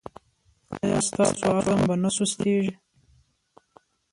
ایا ستاسو عزم به نه سستیږي؟